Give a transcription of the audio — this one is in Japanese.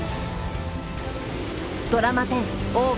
ドラマ１０「大奥」